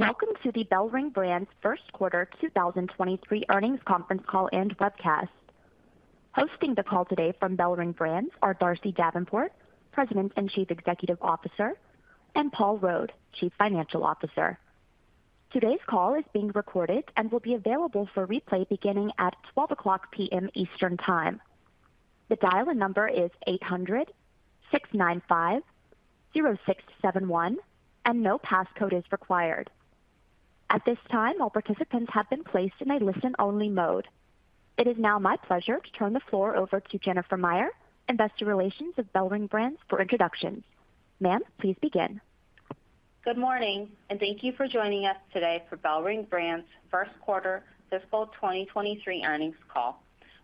Welcome to the BellRing Brands First Quarter 2023 Earnings Conference Call and Webcast. Hosting the call today from BellRing Brands are Darcy Davenport, President and Chief Executive Officer, and Paul Rode, Chief Financial Officer. Today's call is being recorded and will be available for replay beginning at 12:00 P.M. Eastern Time. The dial-in number is 800-695-0671 and no passcode is required. At this time, all participants have been placed in a listen-only mode. It is now my pleasure to turn the floor over to Jennifer Meyer, Investor Relations of BellRing Brands for introductions. Ma'am, please begin. Good morning, and thank you for joining us today for BellRing Brands' First Quarter Fiscal 2023 Earnings Call.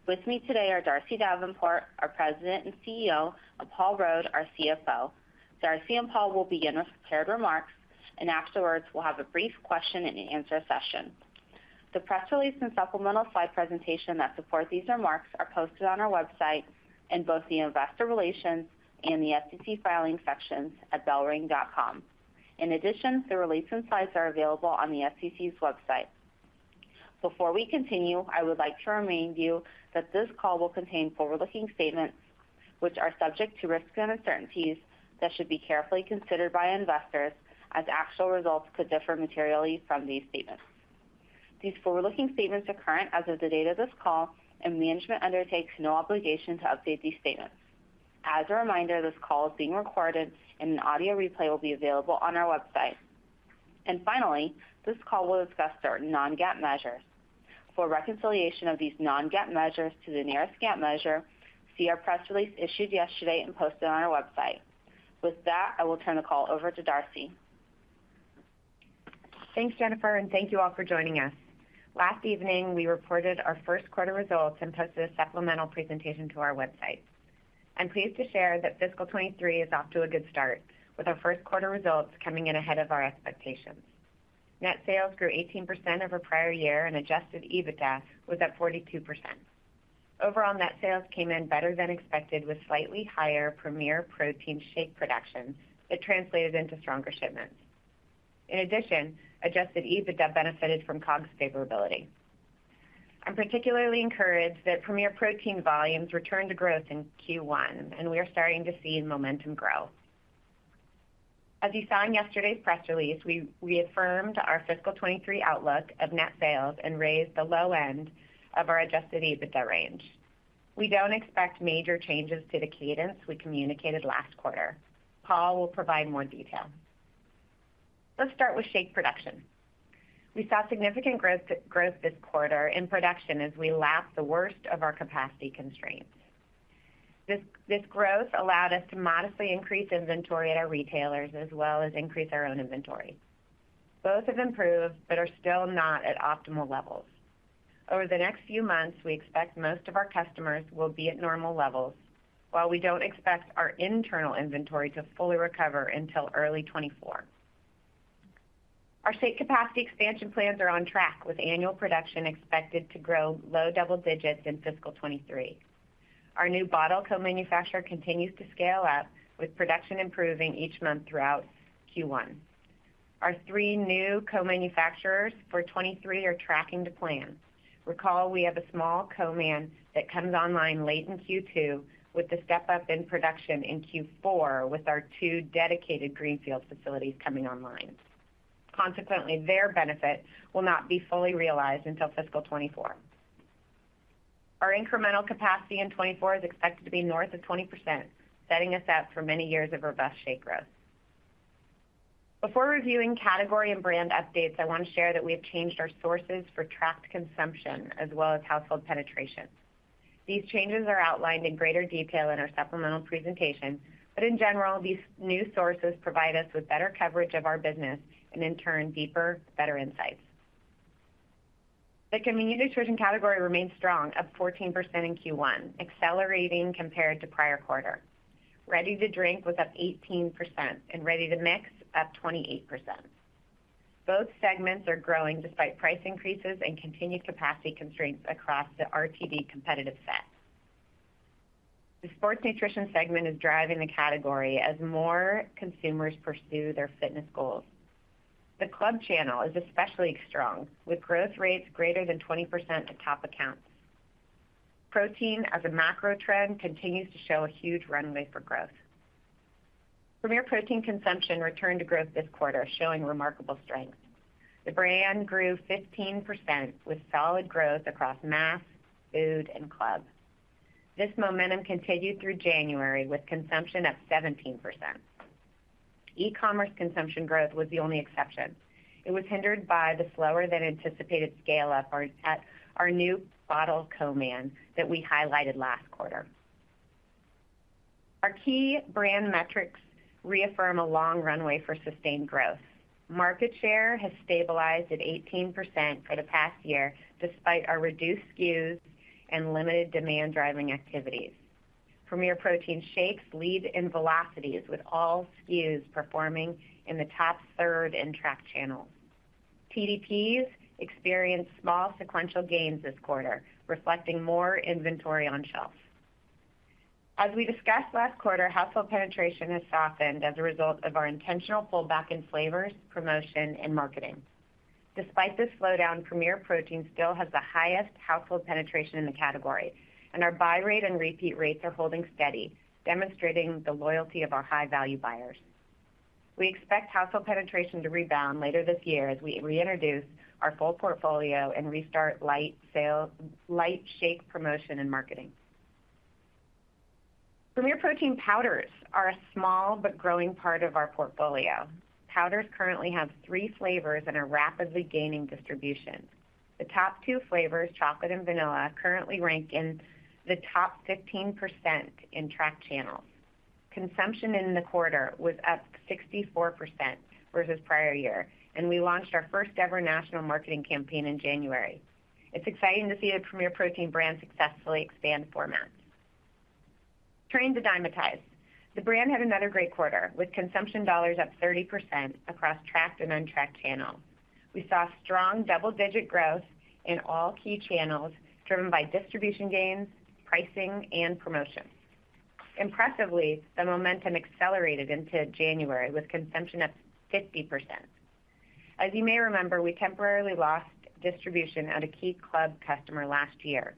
With me today are Darcy Davenport, our President and CEO, and Paul Rode, our CFO. Darcy and Paul will begin with prepared remarks, and afterwards, we'll have a brief question and answer session. The press release and supplemental slide presentation that support these remarks are posted on our website in both the Investor Relations and the SEC filing sections at bellring.com. The release and slides are available on the SEC's website. Before we continue, I would like to remind you that this call will contain forward-looking statements which are subject to risks and uncertainties that should be carefully considered by investors as actual results could differ materially from these statements. These forward-looking statements are current as of the date of this call, and management undertakes no obligation to update these statements. As a reminder, this call is being recorded and an audio replay will be available on our website. Finally, this call will discuss certain non-GAAP measures. For reconciliation of these non-GAAP measures to the nearest GAAP measure, see our press release issued yesterday and posted on our website. With that, I will turn the call over to Darcy. Thanks, Jennifer. Thank you all for joining us. Last evening, we reported our first quarter results and posted a supplemental presentation to our website. I'm pleased to share that fiscal 2023 is off to a good start, with our first quarter results coming in ahead of our expectations. Net sales grew 18% over prior year and Adjusted EBITDA was at 42%. Overall net sales came in better than expected with slightly higher Premier Protein shake production that translated into stronger shipments. In addition, Adjusted EBITDA benefited from COGS favorability. I'm particularly encouraged that Premier Protein volumes returned to growth in Q1, and we are starting to see momentum grow. As you saw in yesterday's press release, we reaffirmed our fiscal 2023 outlook of net sales and raised the low end of our Adjusted EBITDA range. We don't expect major changes to the cadence we communicated last quarter. Paul will provide more detail. Let's start with shake production. We saw significant growth this quarter in production as we lapped the worst of our capacity constraints. This growth allowed us to modestly increase inventory at our retailers, as well as increase our own inventory. Both have improved but are still not at optimal levels. Over the next few months, we expect most of our customers will be at normal levels, while we don't expect our internal inventory to fully recover until early 2024. Our shake capacity expansion plans are on track, with annual production expected to grow low double digits in fiscal 2023. Our new bottle co-manufacturer continues to scale up, with production improving each month throughout Q1. Our three new co-manufacturers for 2023 are tracking to plan. Recall we have a small co-man that comes online late in Q2 with the step-up in production in Q4 with our two dedicated greenfield facilities coming online. Consequently, their benefit will not be fully realized until fiscal 2024. Our incremental capacity in 2024 is expected to be north of 20%, setting us up for many years of robust shake growth. Before reviewing category and brand updates, I want to share that we have changed our sources for tracked consumption as well as household penetration. These changes are outlined in greater detail in our supplemental presentation. In general, these new sources provide us with better coverage of our business and in turn, deeper, better insights. The convenient nutrition category remains strong, up 14% in Q1, accelerating compared to prior quarter. Ready to drink was up 18% and ready to mix up 28%. Both segments are growing despite price increases and continued capacity constraints across the RTD competitive set. The sports nutrition segment is driving the category as more consumers pursue their fitness goals. The club channel is especially strong, with growth rates greater than 20% at top accounts. Protein as a macro trend continues to show a huge runway for growth. Premier Protein consumption returned to growth this quarter, showing remarkable strength. The brand grew 15% with solid growth across mass, food, and club. This momentum continued through January with consumption up 17%. E-commerce consumption growth was the only exception. It was hindered by the slower than anticipated scale-up at our new bottle co-man that we highlighted last quarter. Our key brand metrics reaffirm a long runway for sustained growth. Market share has stabilized at 18% for the past year, despite our reduced SKUs and limited demand-driving activities. Premier Protein shakes lead in velocities with all SKUs performing in the top third in tracked channels. TDPs experienced small sequential gains this quarter, reflecting more inventory on shelf. As we discussed last quarter, household penetration has softened as a result of our intentional pullback in flavors, promotion, and marketing. Despite this slowdown, Premier Protein still has the highest household penetration in the category, and our buy rate and repeat rates are holding steady, demonstrating the loyalty of our high-value buyers. We expect household penetration to rebound later this year as we reintroduce our full portfolio and restart light shake promotion and marketing. Premier Protein powders are a small but growing part of our portfolio. Powders currently have three flavors and are rapidly gaining distribution. The top two flavors, chocolate and vanilla, currently rank in the top 15% in tracked channels. Consumption in the quarter was up 64% versus prior year. We launched our first-ever national marketing campaign in January. It's exciting to see the Premier Protein brand successfully expand formats. Turning to Dymatize. The brand had another great quarter, with consumption dollars up 30% across tracked and untracked channels. We saw strong double-digit growth in all key channels, driven by distribution gains, pricing, and promotions. Impressively, the momentum accelerated into January with consumption up 50%. As you may remember, we temporarily lost distribution at a key club customer last year.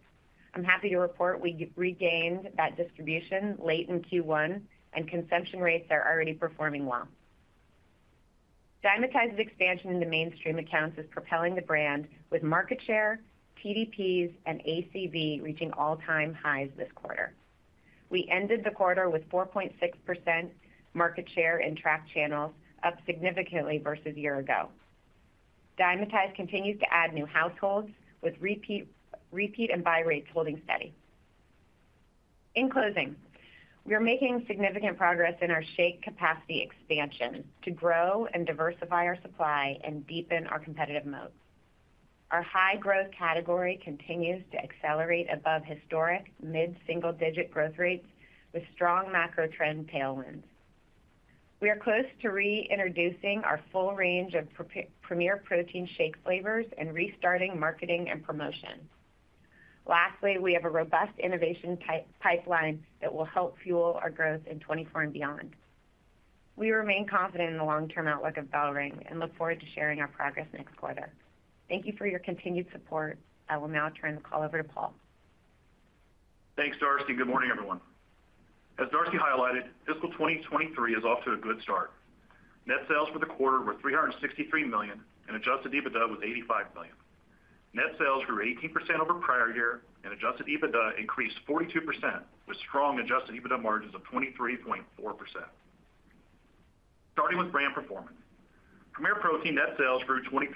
I'm happy to report we regained that distribution late in Q1, and consumption rates are already performing well. Dymatize's expansion in the mainstream accounts is propelling the brand, with market share, TDPs, and ACV reaching all-time highs this quarter. We ended the quarter with 4.6% market share in tracked channels, up significantly versus year ago. Dymatize continues to add new households, with repeat and buy rates holding steady. In closing, we are making significant progress in our shake capacity expansion to grow and diversify our supply and deepen our competitive moats. Our high-growth category continues to accelerate above historic mid-single-digit growth rates with strong macro trend tailwinds. We are close to reintroducing our full range of Premier Protein shake flavors and restarting marketing and promotions. We have a robust innovation pipeline that will help fuel our growth in 2024 and beyond. We remain confident in the long-term outlook of BellRing and look forward to sharing our progress next quarter. Thank you for your continued support. I will now turn the call over to Paul. Thanks, Darcy. Good morning, everyone. As Darcy highlighted, fiscal 2023 is off to a good start. Net sales for the quarter were $363 million, and Adjusted EBITDA was $85 million. Net sales grew 18% over prior year, and Adjusted EBITDA increased 42%, with strong Adjusted EBITDA margins of 23.4%. Starting with brand performance. Premier Protein net sales grew 23%.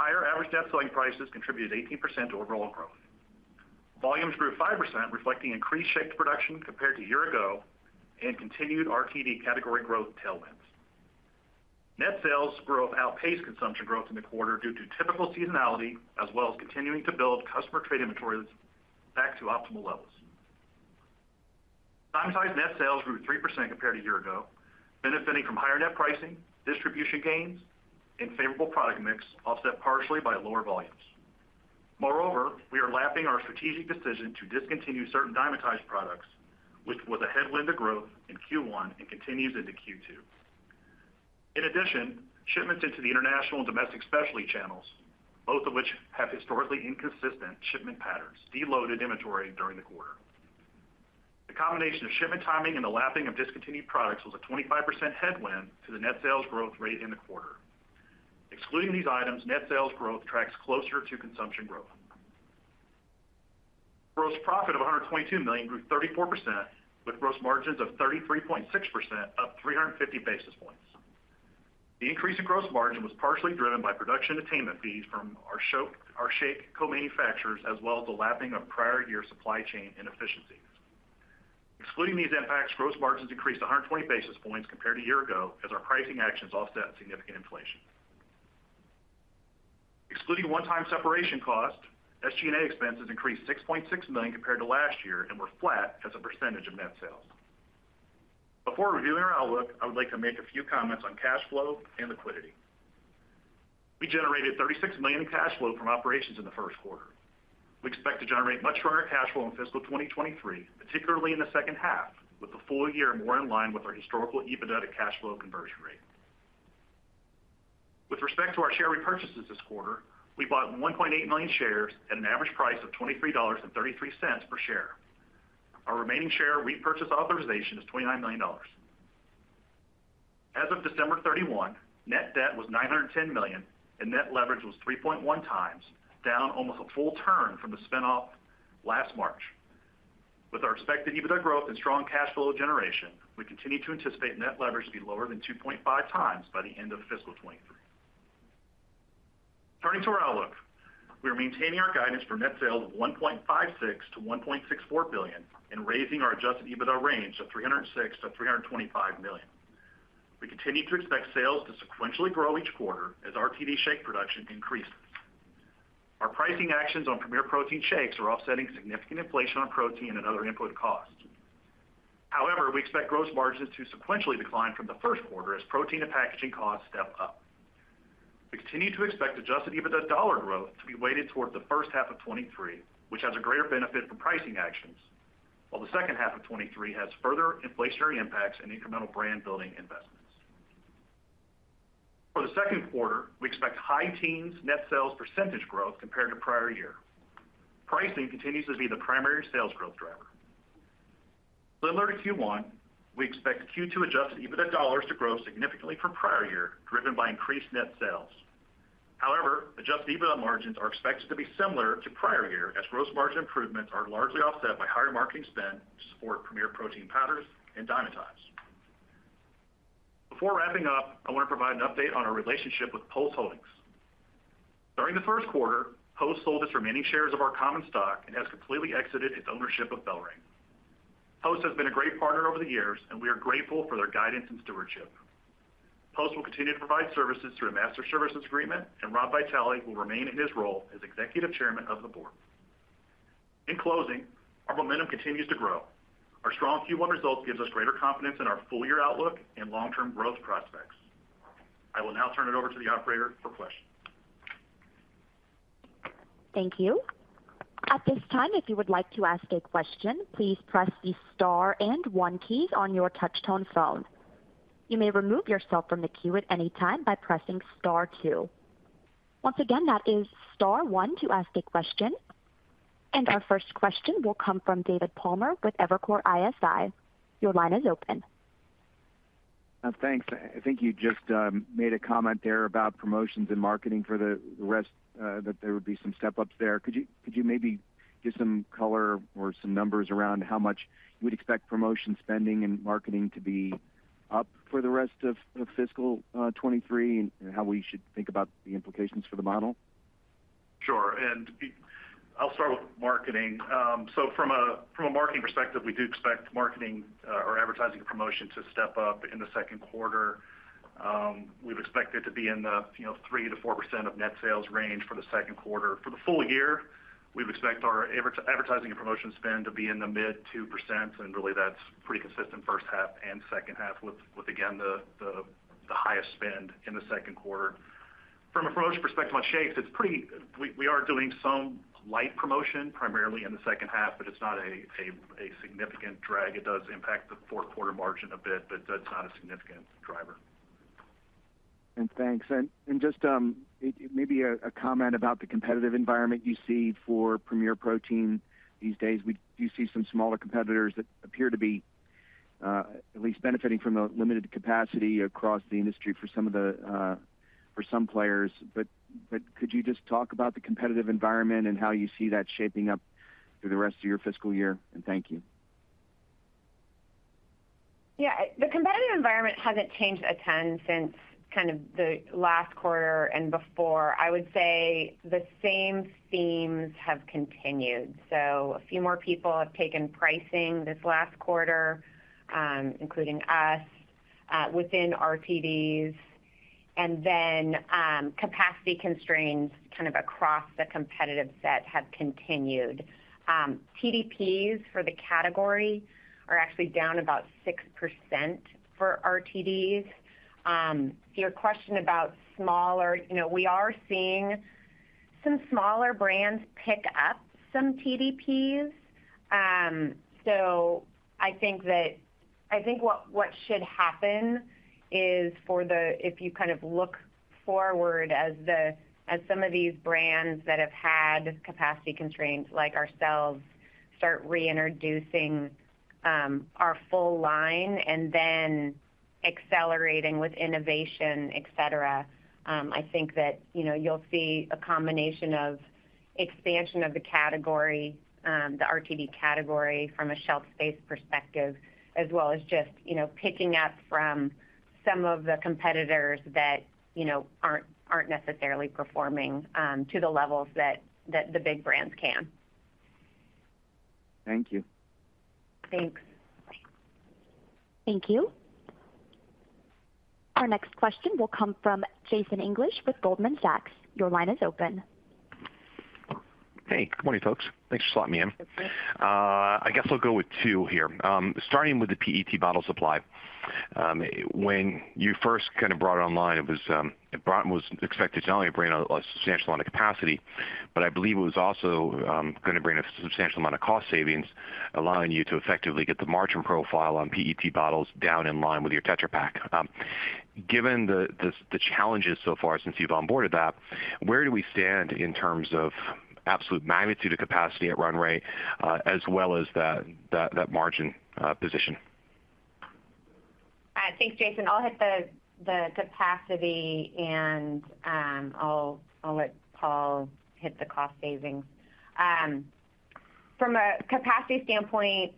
Higher average net selling prices contributed 18% to overall growth. Volumes grew 5%, reflecting increased shake production compared to a year ago and continued RTD category growth tailwinds. Net sales growth outpaced consumption growth in the quarter due to typical seasonality as well as continuing to build customer trade inventories back to optimal levels. Dymatize net sales grew 3% compared to a year ago, benefiting from higher net pricing, distribution gains, and favorable product mix, offset partially by lower volumes. We are lapping our strategic decision to discontinue certain Dymatize products, which was a headwind to growth in Q1 and continues into Q2. Shipments into the international and domestic specialty channels, both of which have historically inconsistent shipment patterns, deloaded inventory during the quarter. The combination of shipment timing and the lapping of discontinued products was a 25% headwind to the net sales growth rate in the quarter. Excluding these items, net sales growth tracks closer to consumption growth. Gross profit of $122 million grew 34%, with gross margins of 33.6%, up 350 basis points. The increase in gross margin was partially driven by production attainment fees from our shake co-manufacturers, as well as the lapping of prior-year supply chain inefficiencies. Excluding these impacts, gross margins increased 120 basis points compared to a year ago as our pricing actions offset significant inflation. Excluding one-time separation cost, SG&A expenses increased $6.6 million compared to last year and were flat as a percentage of net sales. Before reviewing our outlook, I would like to make a few comments on cash flow and liquidity. We generated $36 million in cash flow from operations in the first quarter. We expect to generate much higher cash flow in fiscal 2023, particularly in the second half, with the full year more in line with our historical EBITDA cash flow conversion rate. With respect to our share repurchases this quarter, we bought 1.8 million shares at an average price of $23.33 per share. Our remaining share repurchase authorization is $29 million. As of December 31, net debt was $910 million, and net leverage was 3.1x, down almost a full turn from the spin-off last March. With our expected EBITDA growth and strong cash flow generation, we continue to anticipate net leverage to be lower than 2.5x by the end of fiscal 2023. Turning to our outlook. We are maintaining our guidance for net sales of $1.56 billion-$1.64 billion and raising our Adjusted EBITDA range of $306 million-$325 million. We continue to expect sales to sequentially grow each quarter as RTD shake production increases. Our pricing actions on Premier Protein shakes are offsetting significant inflation on protein and other input costs. However, we expect gross margins to sequentially decline from the first quarter as protein and packaging costs step up. We continue to expect Adjusted EBITDA dollar growth to be weighted toward the first half of 2023, which has a greater benefit for pricing actions, while the second half of 2023 has further inflationary impacts and incremental brand building investments. For the second quarter, we expect high teens net sales percentage growth compared to prior year. Pricing continues to be the primary sales growth driver. Similar to Q1, we expect Q2 Adjusted EBITDA dollars to grow significantly from prior year, driven by increased net sales. Adjusted EBITDA margins are expected to be similar to prior year as gross margin improvements are largely offset by higher marketing spend to support Premier Protein powders and Dymatize. Before wrapping up, I want to provide an update on our relationship with Post Holdings. During the first quarter, Post sold its remaining shares of our common stock and has completely exited its ownership of BellRing. Post has been a great partner over the years, and we are grateful for their guidance and stewardship. Post will continue to provide services through a master services agreement, and Robert Vitale will remain in his role as Executive Chairman of the Board. In closing, our momentum continues to grow. Our strong Q1 results gives us greater confidence in our full year outlook and long-term growth prospects. I will now turn it over to the operator for questions. Thank you. At this time, if you would like to ask a question, please press the star and one key on your touch-tone phone. You may remove yourself from the queue at any time by pressing star two. Once again, that is star one to ask a question. Our first question will come from David Palmer with Evercore ISI. Your line is open. Thanks. I think you just made a comment there about promotions and marketing for the rest, that there would be some step-ups there. Could you maybe give some color or some numbers around how much you would expect promotion spending and marketing to be up for the rest of fiscal 2023 and how we should think about the implications for the model? Sure. I'll start with marketing. From a marketing perspective, we do expect marketing or advertising and promotion to step up in the second quarter. We've expected to be in the, you know, 3%-4% of net sales range for the second quarter. For the full year, we expect our advertising and promotion spend to be in the mid 2%, and really that's pretty consistent first half and second half with again the highest spend in the second quarter. From a promotion perspective on shakes, We are doing some light promotion primarily in the second half, but it's not a significant drag. It does impact the fourth quarter margin a bit, but that's not a significant driver. Thanks. Just, maybe a comment about the competitive environment you see for Premier Protein these days. We do see some smaller competitors that appear to be at least benefiting from a limited capacity across the industry for some of the for some players. Could you just talk about the competitive environment and how you see that shaping up through the rest of your fiscal year? Thank you. The competitive environment hasn't changed a ton since kind of the last quarter and before. I would say the same themes have continued. A few more people have taken pricing this last quarter, including us, within RTDs, and then, capacity constraints kind of across the competitive set have continued. TDPs for the category are actually down about 6% for RTDs. To your question about smaller, you know, we are seeing some smaller brands pick up some TDPs. I think what should happen is if you kind of look forward as some of these brands that have had capacity constraints like ourselves start reintroducing our full line and then accelerating with innovation, et cetera, I think that, you know, you'll see a combination of expansion of the category, the RTD category from a shelf space perspective, as well as just, you know, picking up from some of the competitors that, you know, aren't necessarily performing to the levels that the big brands can. Thank you. Thanks. Thank you. Our next question will come from Jason English with Goldman Sachs. Your line is open. Hey, good morning, folks. Thanks for slotting me in. I guess I'll go with two here. Starting with the PET bottle supply. When you first kind of brought it online, it was, it brought and was expected to not only bring a substantial amount of capacity, but I believe it was also, gonna bring a substantial amount of cost savings, allowing you to effectively get the margin profile on PET bottles down in line with your Tetra Pak. Given the challenges so far since you've onboarded that, where do we stand in terms of absolute magnitude of capacity at run rate, as well as that margin position? Thanks, Jason English. I'll hit the capacity and I'll let Paul Rode hit the cost savings. From a capacity standpoint,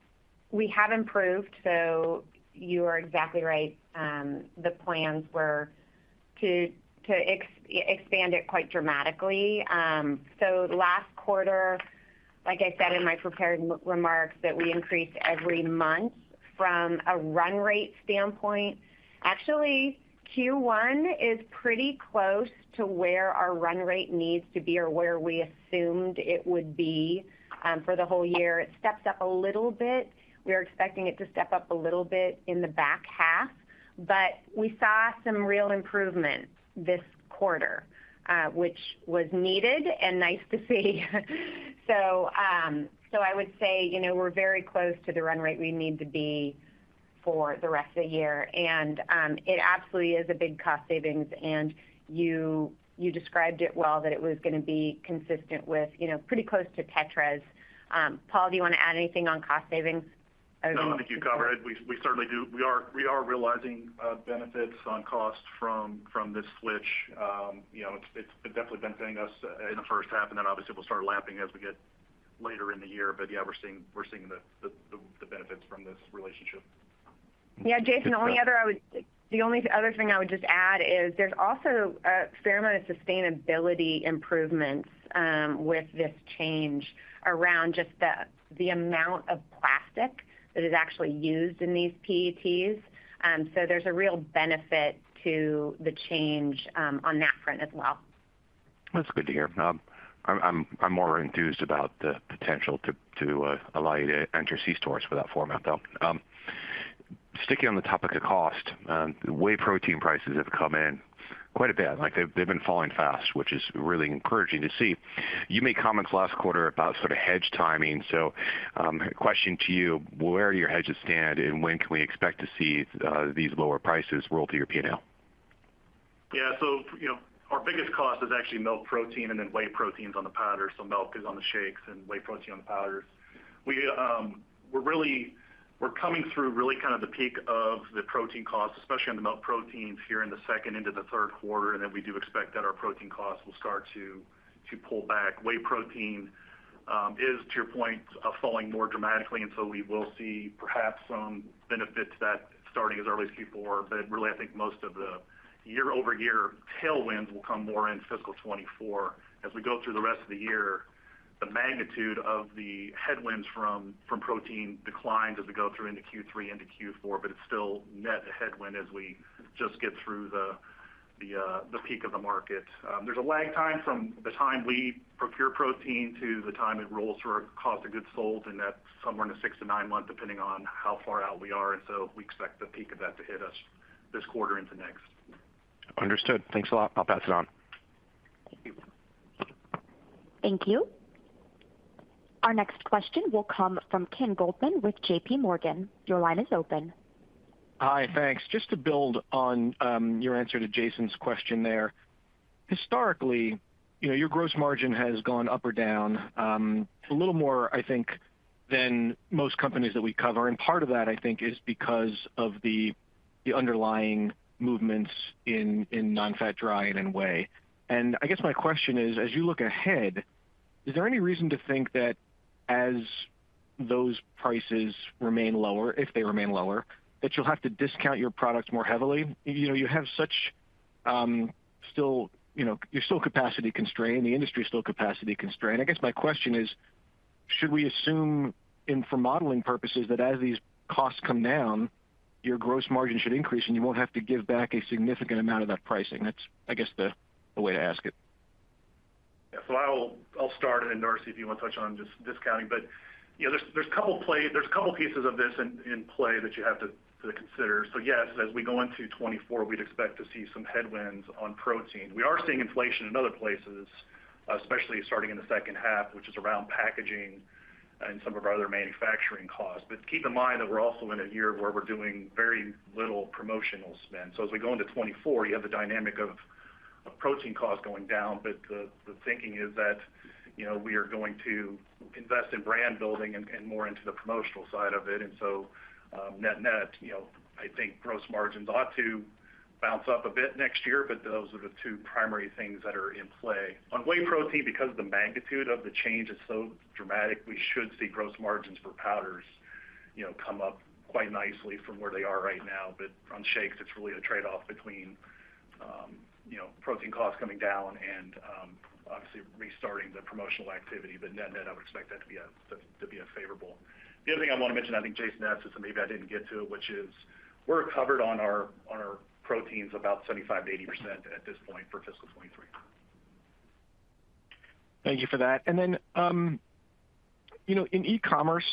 we have improved, so you are exactly right. The plans were to expand it quite dramatically. Last quarter, like I said in my prepared remarks, that we increased every month from a run rate standpoint. Actually, Q1 is pretty close to where our run rate needs to be or where we assumed it would be for the whole year. It steps up a little bit. We are expecting it to step up a little bit in the back half. But we saw some real improvement this quarter, which was needed and nice to see. I would say, you know, we're very close to the run rate we need to be for the rest of the year. It absolutely is a big cost savings. You, you described it well that it was gonna be consistent with, you know, pretty close to Dymatize. Paul, do you wanna add anything on cost savings? No, I think you covered. We certainly do. We are realizing benefits on costs from this switch. You know, it's definitely benefiting us in the first half, and then obviously we'll start lapping as we get later in the year. Yeah, we're seeing the benefits from this relationship. Yeah, Jason, the only other thing I would just add is there's also a fair amount of sustainability improvements with this change around just the amount of plastic that is actually used in these PETs. There's a real benefit to the change on that front as well. That's good to hear. I'm more enthused about the potential to allow you to enter C stores for that format, though. Sticking on the topic of cost, the whey protein prices have come in quite a bit. Like, they've been falling fast, which is really encouraging to see. You made comments last quarter about sort of hedge timing. Question to you, where do your hedges stand, and when can we expect to see these lower prices roll through your P&L? You know, our biggest cost is actually milk protein and then whey proteins on the powder. Milk is on the shakes and whey protein on the powders. We're coming through really kind of the peak of the protein costs, especially on the milk proteins here in the second into the third quarter. We do expect that our protein costs will start to pull back. Whey protein is to your point, falling more dramatically. We will see perhaps some benefits that starting as early as Q4. Really, I think most of the year-over-year tailwinds will come more in fiscal 2024. As we go through the rest of the year, the magnitude of the headwinds from protein decline as we go through into Q3 into Q4, It's still net a headwind as we just get through the peak of the market. There's a lag time from the time we procure protein to the time it rolls through our cost of goods sold, That's somewhere in the six to nine month, depending on how far out we are. We expect the peak of that to hit us this quarter into next. Understood. Thanks a lot. I'll pass it on. Thank you. Thank you. Our next question will come from Ken Goldman with J.P. Morgan. Your line is open. Hi. Thanks. Just to build on your answer to Jason's question there. Historically, you know, your gross margin has gone up or down a little more, I think, than most companies that we cover. Part of that, I think, is because of the underlying movements in non-fat dry milk and in whey protein. I guess my question is, as you look ahead, is there any reason to think that as those prices remain lower, if they remain lower, that you'll have to discount your products more heavily? You know, you have such. You know, you're still capacity constrained, the industry is still capacity constrained. I guess my question is: Should we assume in for modeling purposes that as these costs come down, your gross margin should increase and you won't have to give back a significant amount of that pricing? That's, I guess, the way to ask it. Yeah. I'll start and then Darcy, if you wanna touch on just discounting. You know, there's a couple pieces of this in play that you have to consider. Yes, as we go into 2024, we'd expect to see some headwinds on protein. We are seeing inflation in other places, especially starting in the second half, which is around packaging and some of our other manufacturing costs. Keep in mind that we're also in a year where we're doing very little promotional spend. As we go into 2024, you have the dynamic of protein costs going down, but the thinking is that, you know, we are going to invest in brand building and more into the promotional side of it. Net-net, you know, I think gross margins ought to bounce up a bit next year, but those are the two primary things that are in play. On whey protein, because the magnitude of the change is so dramatic, we should see gross margins for powders, you know, come up quite nicely from where they are right now. On shakes, it's really a trade-off between, you know, protein costs coming down and obviously restarting the promotional activity. Net-net, I would expect that to be a favorable. The other thing I wanna mention, I think Jason asked this and maybe I didn't get to it, which is we're covered on our, on our proteins about 75%-80% at this point for fiscal 2023. Thank you for that. You know, in e-commerce,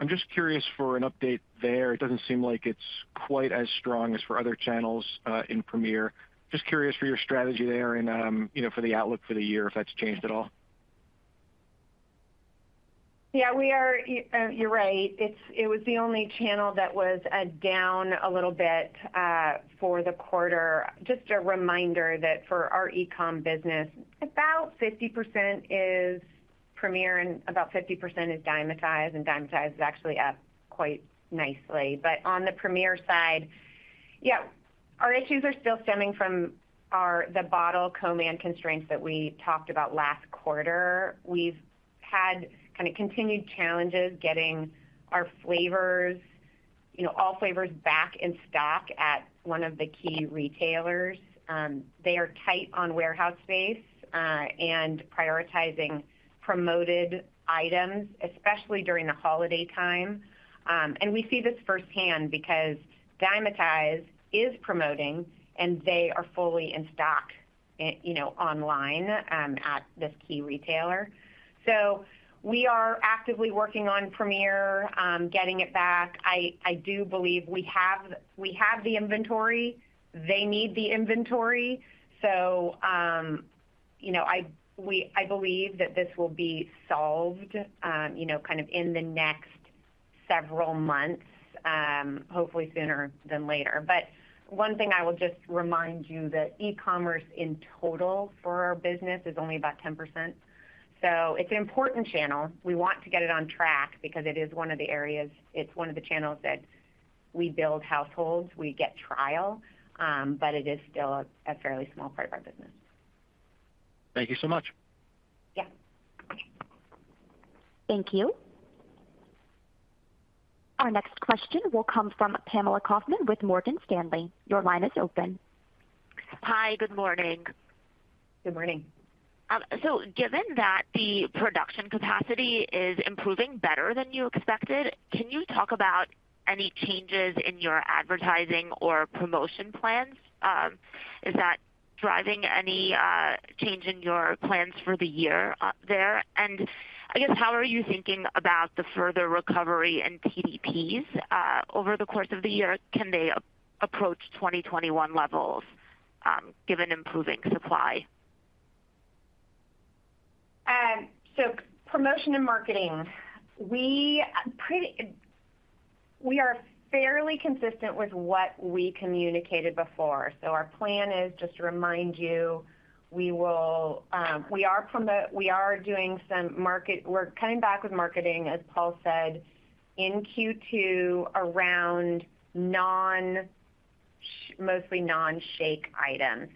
I'm just curious for an update there. It doesn't seem like it's quite as strong as for other channels in Premier. Just curious for your strategy there and, you know, for the outlook for the year, if that's changed at all. Yeah, you're right. It was the only channel that was down a little bit for the quarter. Just a reminder that for our e-com business, about 50% is Premier and about 50% is Dymatize. Dymatize is actually up quite nicely. On the Premier side, yeah, our issues are still stemming from the bottle co-man constraints. that we talked about last quarter. We've had kind of continued challenges getting our flavors, you know, all flavors back in stock at one of the key retailers. They are tight on warehouse space and prioritizing promoted items, especially during the holiday time. We see this firsthand because Dymatize is promoting and they are fully in stock. You know, online, at this key retailer. We are actively working on Premier, getting it back. I do believe we have the inventory. They need the inventory. You know, I believe that this will be solved, you know, kind of in the next several months, hopefully sooner than later. One thing I will just remind you that e-commerce in total for our business is only about 10%. It's an important channel. We want to get it on track because it is one of the areas, it's one of the channels that we build households, we get trial, it is still a fairly small part of our business. Thank you so much. Yeah. Thank you. Our next question will come from Pamela Kaufman with Morgan Stanley. Your line is open. Hi. Good morning. Good morning. Given that the production capacity is improving better than you expected, can you talk about any changes in your advertising or promotion plans? Is that driving any change in your plans for the year there? I guess, how are you thinking about the further recovery in TDPs over the course of the year? Can they approach 2021 levels given improving supply? Promotion and marketing. We are fairly consistent with what we communicated before. Our plan is just to remind you, we will, we are doing some marketing, as Paul said, in Q2 around mostly non-shake items.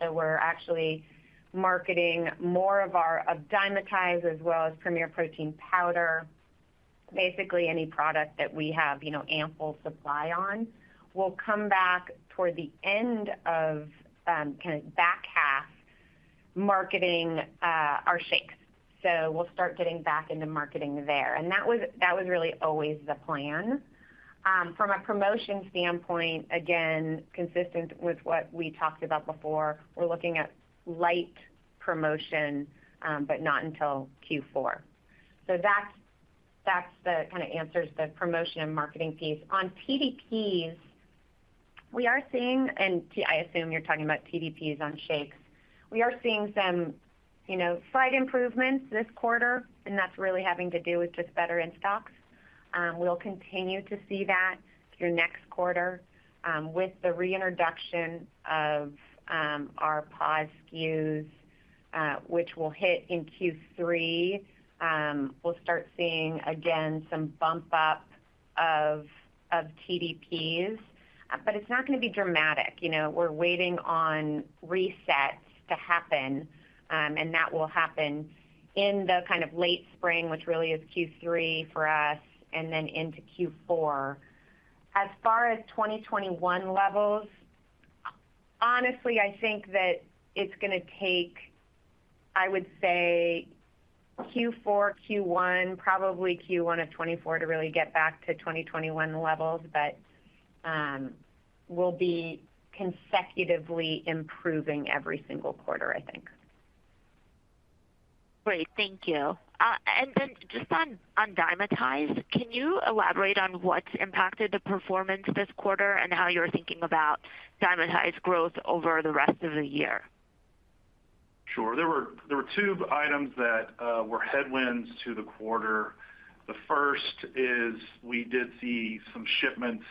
We're actually marketing more of our, of Dymatize as well as Premier Protein powder. Basically, any product that we have, you know, ample supply on, we'll come back toward the end of, kind of back half marketing, our shakes. We'll start getting back into marketing there. That was really always the plan. From a promotion standpoint, again, consistent with what we talked about before, we're looking at light promotion, but not until Q4. That's kind of answers the promotion and marketing piece. On TDPs, we are seeing, I assume you're talking about TDPs on shakes. We are seeing some, you know, slight improvements this quarter, and that's really having to do with just better in-stocks. We'll continue to see that through next quarter, with the reintroduction of, our pause SKUs, which will hit in Q3. We'll start seeing, again, some bump up of TDPs, but it's not gonna be dramatic. You know, we're waiting on resets to happen, and that will happen in the kind of late spring, which really is Q3 for us, and then into Q4. As far as 2021 levels, honestly, I think that it's gonna take, I would say Q4, Q1, probably Q1 of 2024 to really get back to 2021 levels. We'll be consecutively improving every single quarter, I think. Great. Thank you. Then just on Dymatize, can you elaborate on what's impacted the performance this quarter and how you're thinking about Dymatize growth over the rest of the year? Sure. There were two items that were headwinds to the quarter. The first is we did see some shipments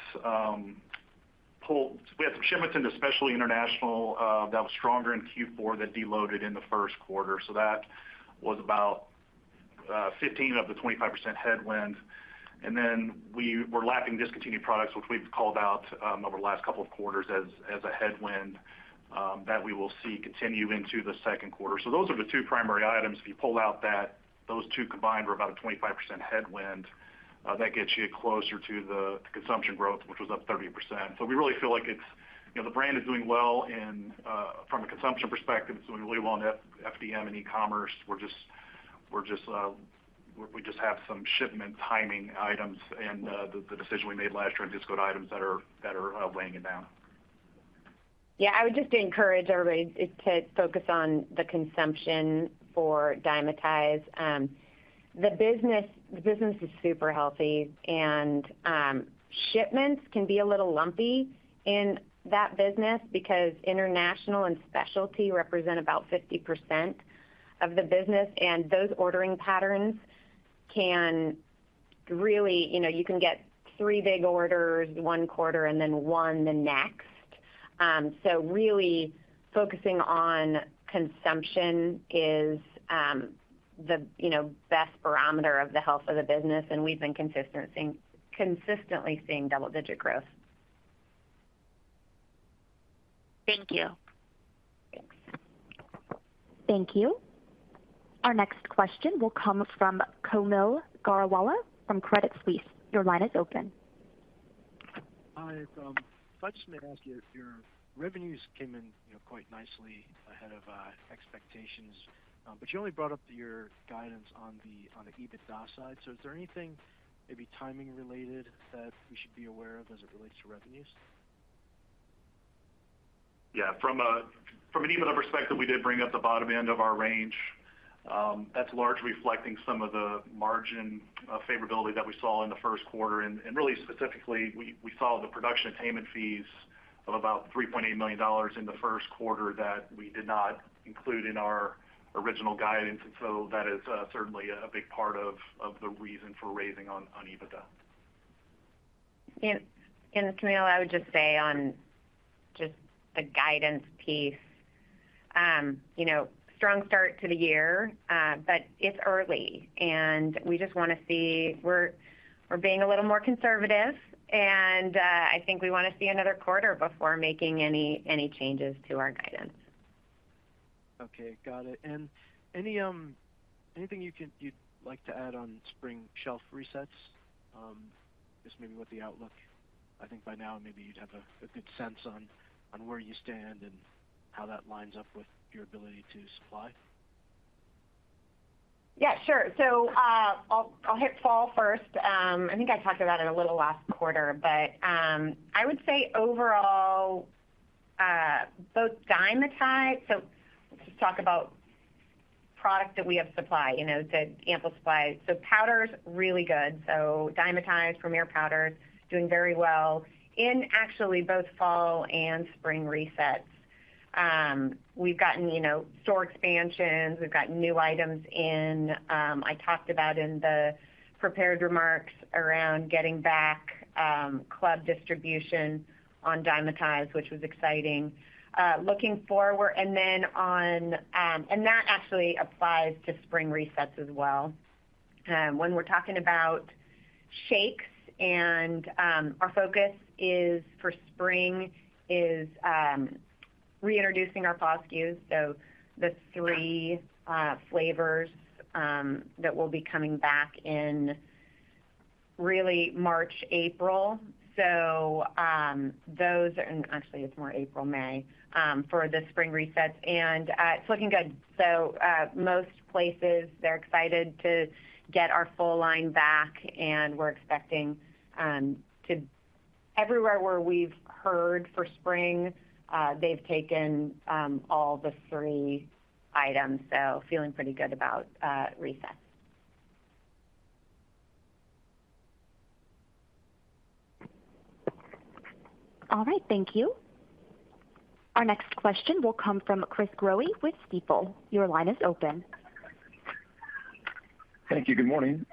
pulled. We had some shipments into specialty international that was stronger in Q4 that deloaded in the first quarter. That was about 15 of the 25% headwind. Then we were lacking discontinued products, which we've called out over the last couple of quarters as a headwind that we will see continue into the second quarter. Those are the two primary items. If you pull out that, those two combined were about a 25% headwind that gets you closer to the consumption growth, which was up 30%. We really feel like it's, you know, the brand is doing well and from a consumption perspective, it's doing really well in FDM and e-commerce. We're just, we just have some shipment timing items and the decision we made last year on discoed items that are weighing it down. I would just encourage everybody to focus on the consumption for Dymatize. The business is super healthy, and shipments can be a little lumpy in that business because international and specialty represent about 50% of the business, and those ordering patterns can really. You know, you can get three big orders one quarter and then one the next. Really focusing on consumption is the, you know, best barometer of the health of the business, and we've been consistently seeing double-digit growth. Thank you. Thanks. Thank you. Our next question will come from Kaumil Gajrawala from Credit Suisse. Your line is open. If I just may ask, your revenues came in, you know, quite nicely ahead of expectations. But you only brought up your guidance on the EBITDA side. Is there anything maybe timing related that we should be aware of as it relates to revenues? Yeah. From an EBITDA perspective, we did bring up the bottom end of our range. That's largely reflecting some of the margin favorability that we saw in the first quarter. Really specifically, we saw the production attainment fees of about $3.8 million in the first quarter that we did not include in our original guidance. That is certainly a big part of the reason for raising on EBITDA. Kaumil, I would just say on just the guidance piece, you know, strong start to the year, but it's early. We're being a little more conservative, and I think we wanna see another quarter before making any changes to our guidance. Okay, got it. Anything you'd like to add on spring shelf resets, just maybe what the outlook? I think by now maybe you'd have a good sense on where you stand and how that lines up with your ability to supply. Yeah, sure. I'll hit fall first. I think I talked about it a little last quarter, but I would say overall, both Dymatize. Let's just talk about product that we have supply, you know, the ample supply. Powder's really good. Dymatize premier powder is doing very well in actually both fall and spring resets. We've gotten, you know, store expansions, we've gotten new items in. I talked about in the prepared remarks around getting back club distribution on Dymatize, which was exciting. Looking forward, and then on. That actually applies to spring resets as well. When we're talking about shakes, our focus is, for spring, is reintroducing our pause SKUs. The three flavors that will be coming back in really March, April. Actually it's more April, May, for the spring resets. It's looking good. Most places, they're excited to get our full line back, and we're expecting. Everywhere where we've heard for spring, they've taken all the three items, so feeling pretty good about resets. All right, thank you. Our next question will come from Chris Growe with Stifel. Your line is open. Thank you. Good morning.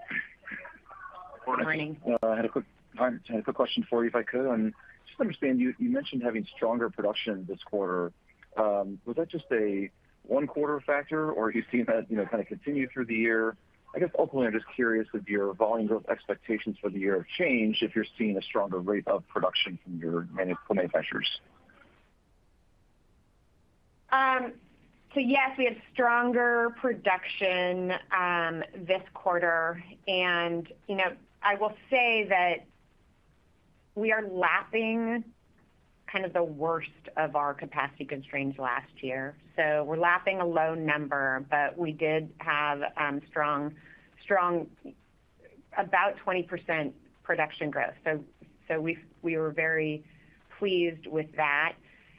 Morning. Morning. I had a quick question for you, if I could. Just understand, you mentioned having stronger production this quarter. Was that just a one quarter factor, or are you seeing that, you know, kind of continue through the year? I guess ultimately, I'm just curious if your volume growth expectations for the year have changed if you're seeing a stronger rate of production from your manufacturers. Yes, we have stronger production this quarter. You know, I will say that we are lapping kind of the worst of our capacity constraints last year. We're lapping a low number, but we did have strong about 20% production growth. We were very pleased with that.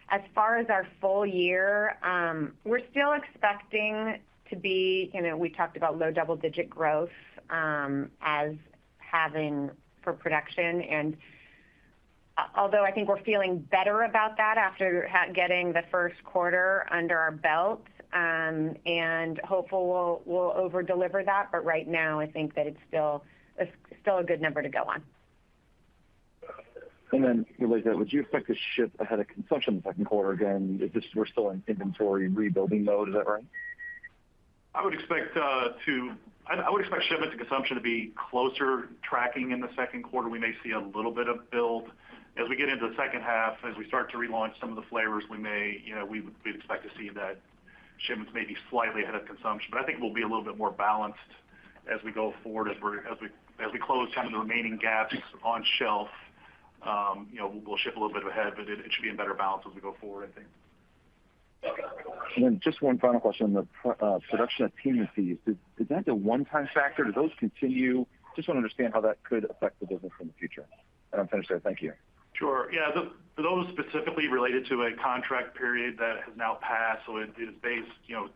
As far as our full year, we're still expecting to be, you know, we talked about low double-digit growth as having for production. Although I think we're feeling better about that after getting the first quarter under our belt, and hopeful we'll over deliver that, but right now I think that it's still a good number to go on. Related, would you expect to ship ahead of consumption in the second quarter again? Is this we're still in inventory and rebuilding mode, is that right? I would expect shipment to consumption to be closer tracking in the second quarter. We may see a little bit of build. As we get into the second half, as we start to relaunch some of the flavors, we may, you know, we'd expect to see that shipments may be slightly ahead of consumption. I think we'll be a little bit more balanced as we go forward, as we close kind of the remaining gaps on shelf, you know, we'll ship a little bit ahead, but it should be a better balance as we go forward, I think. Okay. Then just one final question. The production attainment fees, is that a one-time factor? Do those continue? Just wanna understand how that could affect the business in the future. I'm finished here. Thank you. Sure. Yeah. Those specifically related to a contract period that has now passed, so it is based, you know,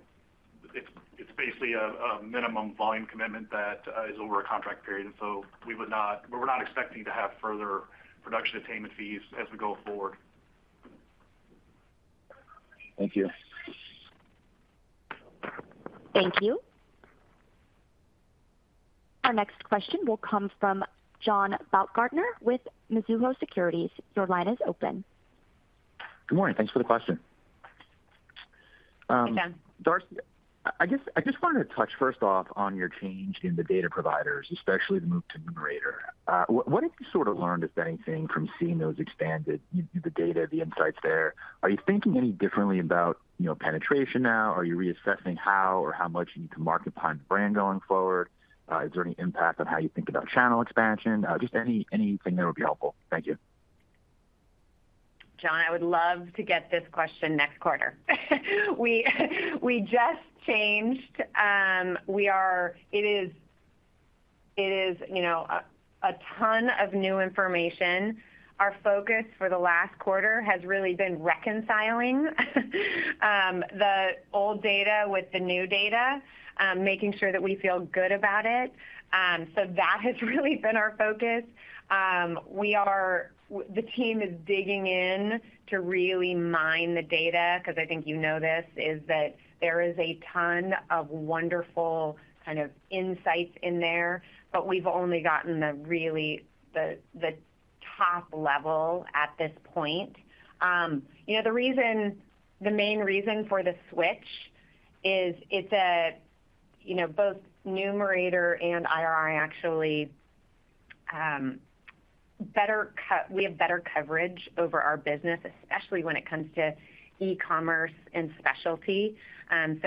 it's basically a minimum volume commitment that, is over a contract period. We're not expecting to have further production attainment fees as we go forward. Thank you. Thank you. Our next question will come from John Baumgartner with Mizuho Securities. Your line is open. Good morning. Thanks for the question. Hey, John. Darcy, I just wanted to touch first off on your change in the data providers, especially the move to Numerator. What, what have you sort of learned, if anything, from seeing those expanded, you, the data, the insights there? Are you thinking any differently about, you know, penetration now? Are you reassessing how or how much you need to market Premier brand going forward? Is there any impact on how you think about channel expansion? Just any, anything there would be helpful. Thank you. John, I would love to get this question next quarter. We just changed. It is, you know, a ton of new information. Our focus for the last quarter has really been reconciling the old data with the new data, making sure that we feel good about it. That has really been our focus. The team is digging in to really mine the data because I think you know this, is that there is a ton of wonderful kind of insights in there, but we've only gotten the really, the top level at this point. You know, the main reason for the switch is it's, you know, both Numerator and IRI actually, we have better coverage over our business, especially when it comes to e-commerce and specialty. It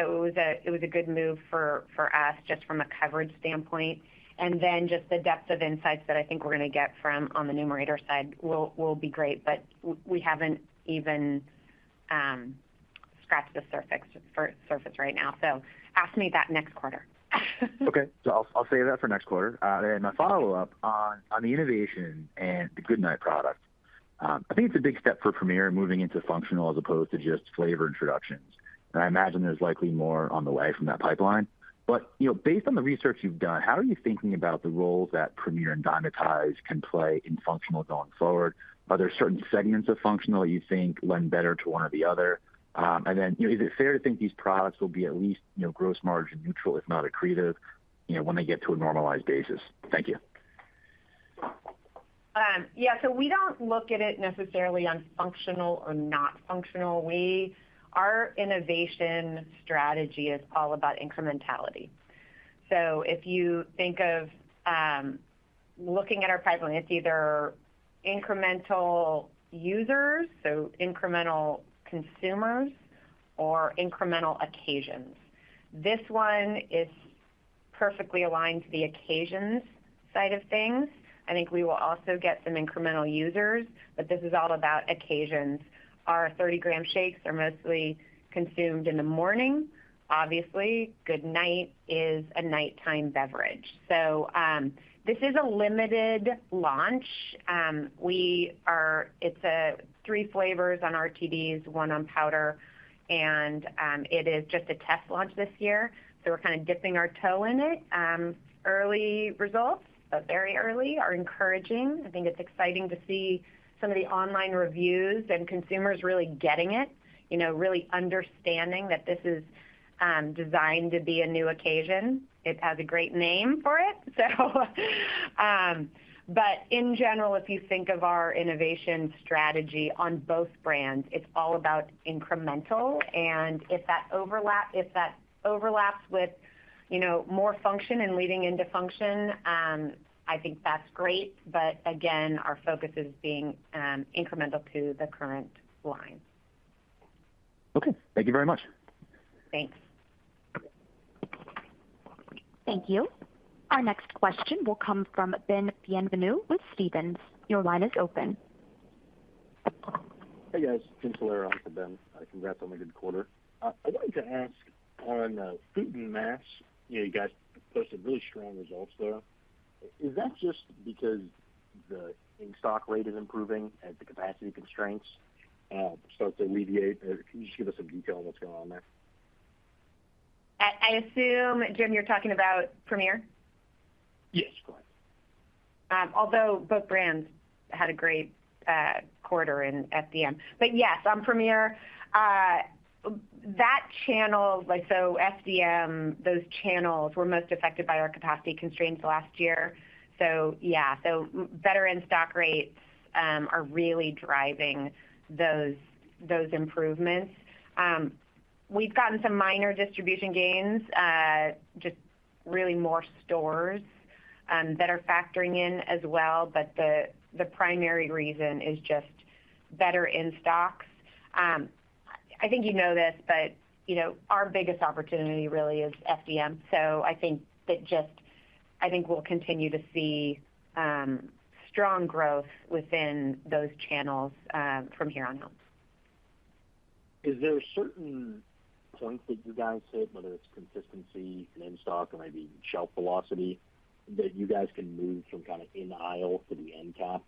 was a good move for us just from a coverage standpoint. Just the depth of insights that I think we're going to get from on the Numerator side will be great, but we haven't even scratched the surface right now. Ask me that next quarter. Okay. I'll save that for next quarter. And my follow-up on the innovation and the Good Night product. I think it's a big step for Premier moving into functional as opposed to just flavor introductions. I imagine there's likely more on the way from that pipeline. You know, based on the research you've done, how are you thinking about the roles that Premier and Dymatize can play in functional going forward? Are there certain segments of functional you think lend better to one or the other? You know, is it fair to think these products will be at least, you know, gross margin neutral, if not accretive, you know, when they get to a normalized basis? Thank you. Yeah. We don't look at it necessarily on functional or not functional. Our innovation strategy is all about incrementality. If you think of looking at our pipeline, it's either incremental users, so incremental consumers or incremental occasions. This one is perfectly aligned to the occasions side of things. I think we will also get some incremental users, but this is all about occasions. Our 30-gram shakes are mostly consumed in the morning. Obviously, Good Night is a nighttime beverage. This is a limited launch. It's three flavors on RTDs, one on powder, and it is just a test launch this year. We're kind of dipping our toe in it. Early results, but very early, are encouraging. I think it's exciting to see some of the online reviews and consumers really getting it, you know, really understanding that this is designed to be a new occasion. It has a great name for it. But in general, if you think of our innovation strategy on both brands, it's all about incremental. If that overlaps with, you know, more function and leading into function, I think that's great. Again, our focus is being incremental to the current line. Okay. Thank you very much. Thanks. Thank you. Our next question will come from Ben Bienvenu with Stephens. Your line is open. Hey, guys. Jim Salera, in for Ben. Congrats on a good quarter. I wanted to ask on, food and mass, you know, you guys posted really strong results there. Is that just because the in-stock rate is improving as the capacity constraints, start to alleviate? Can you just give us some detail on what's going on there? I assume, Jim, you're talking about Premier? Yes, go ahead. Although both brands had a great quarter in FDM. Yes, on Premier, that channel, like FDM, those channels were most affected by our capacity constraints last year. Yeah. Better in-stock rates are really driving those improvements. We've gotten some minor distribution gains, just really more stores that are factoring in as well. The primary reason is just better in-stocks. I think you know this, but, you know, our biggest opportunity really is FDM. I think we'll continue to see strong growth within those channels from here on out. Is there certain things that you guys hit, whether it's consistency in stock or maybe shelf velocity, that you guys can move from kind of in aisle to the end cap?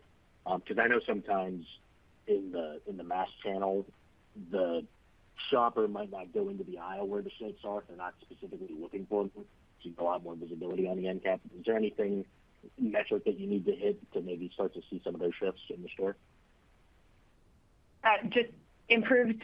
because I know sometimes in the, in the mass channel, the shopper might not go into the aisle where the shakes are if they're not specifically looking for them. You can allow more visibility on the end cap. Is there anything, metric that you need to hit to maybe start to see some of those shifts in the store? just improved,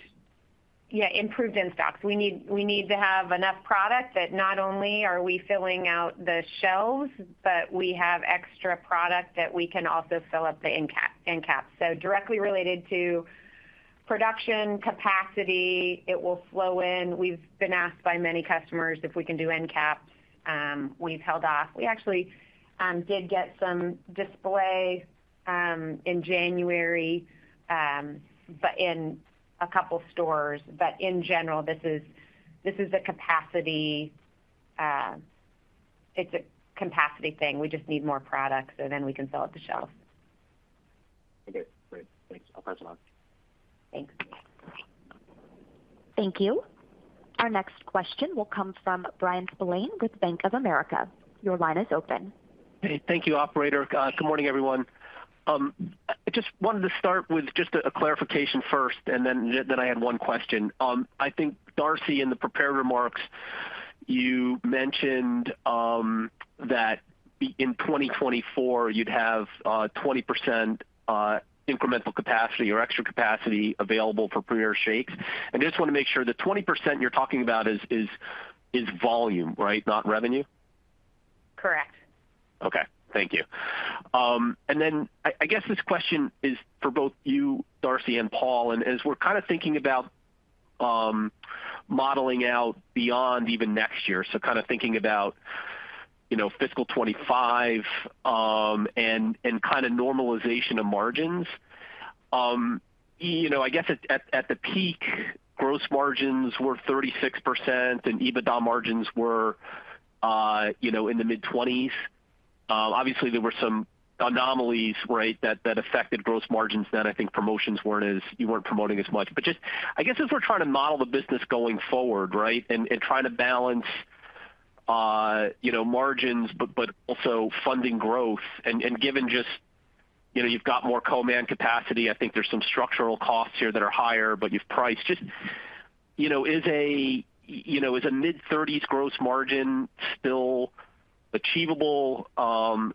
yeah, improved in-stocks. We need to have enough product that not only are we filling out the shelves, but we have extra product that we can also fill up the end cap. Directly related to production capacity, it will flow in. We've been asked by many customers if we can do end caps. We've held off. We actually did get some display in January, but in a couple stores. In general, this is a capacity thing. We just need more product, so then we can fill up the shelves. Okay, great. Thanks. I'll pass it on. Thanks. Thank you. Our next question will come from Bryan Spillane with Bank of America. Your line is open. Hey, thank you, operator. Good morning, everyone. I just wanted to start with just a clarification first, then I had one question. I think Darcy, in the prepared remarks, you mentioned that in 2024 you'd have 20% incremental capacity or extra capacity available for Premier shakes. I just wanna make sure the 20% you're talking about is volume, right, not revenue? Correct. Okay. Thank you. Then I guess this question is for both you, Darcy, and Paul. As we're kind of thinking about, modeling out beyond even next year, so kind of thinking about, you know, fiscal 2025, and kind of normalization of margins. you know, I guess at the peak, gross margins were 36% and EBITDA margins were, you know, in the mid-20s. obviously there were some anomalies, right, that affected gross margins then. I think promotions you weren't promoting as much. I guess as we're trying to model the business going forward, right, and trying to balance, you know, margins but also funding growth and given just, you know, you've got more co-man capacity, I think there's some structural costs here that are higher, but you've priced. Just, you know, is a, you know, is a mid-30s gross margin still achievable?